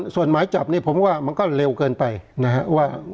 ส่วนหมายจับเนี่ยผมว่ามันก็เร็วเกินไปนะครับว่า